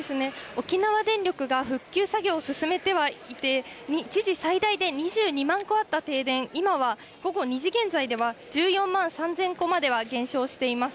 沖縄電力が復旧作業を進めてはいて、一時最大で２２万戸あった停電、今は、午後２時現在では１４万３０００戸までは減少しています。